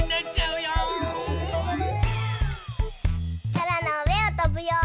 そらのうえをとぶよ！